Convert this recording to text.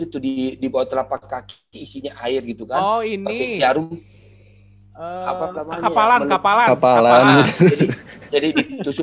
itu di dibawa telapak kaki isinya air gitu kau ini jarum apa namanya kapalan kapalan jadi itu